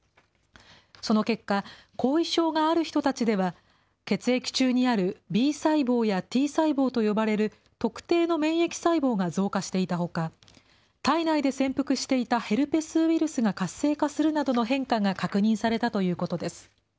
その結果、後遺症がある人たちでは、血液中にあるＢ細胞やＴ細胞と呼ばれる特定の免疫細胞が増加していたほか、体内で潜伏していたヘルペスウイルスが活性化するなどの変化が確認されたということです。